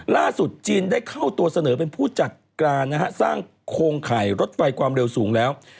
ล่าสุดจีนได้เข้าตัวเสนอเป็นผู้จัดการนะฮะสร้างโครงข่ายรถไฟความเร็วสูงแล้ว